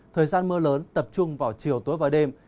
thời gian mưa lớn tập trung vào chiều tối và đêm